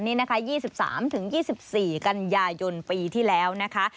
นี่นะคะ๒๓๒๔กันยายนปีที่แล้วนะคะ